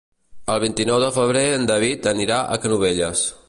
El vint-i-nou de febrer en David anirà a Canovelles.